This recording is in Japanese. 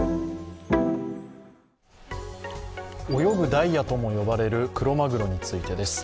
泳ぐダイヤとも呼ばれるクロマグロについてです。